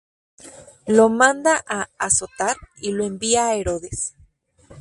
Lo manda a azotar y lo envía a Herodes.